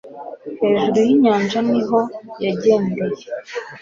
Hejuru yinyanja niho yagendeye